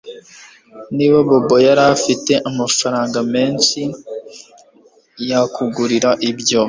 Niba Bobo yari afite amafaranga menshi yakugurira ibyo